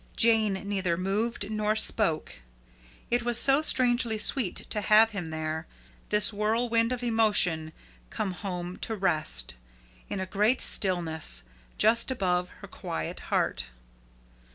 Jane neither moved nor spoke. It was so strangely sweet to have him there this whirlwind of emotion come home to rest, in a great stillness, just above her quiet heart.